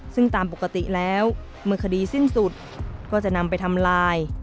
ซึ่งตามปกติแล้วเมื่อคดีสิ้นสุดก็จะนำไปทำลาย